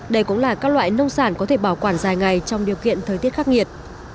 đây cũng là các loại nông sản có thể bảo quản dài ngày trong điều kiện thời tiết khắc nghiệt